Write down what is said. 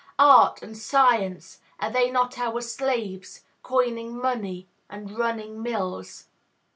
Art and science, are they not our slaves, coining money and running mills?